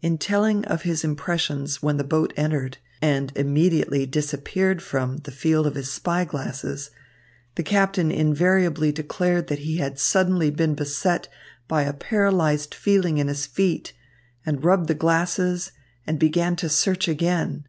In telling of his impressions when the boat entered, and immediately disappeared from, the field of his spy glasses, the captain invariably declared that he had suddenly been beset by a paralysed feeling in his feet, and rubbed the glasses, and began to search again.